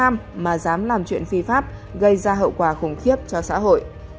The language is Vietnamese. mà dám làm chuyện phi pháp gây ra hậu quả khủng khiếp cho xã hội